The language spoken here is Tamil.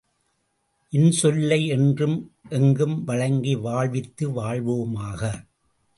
இன்சொல்லை என்றும், எங்கும் வழங்கி வாழ்வித்து வாழ்வோமாக!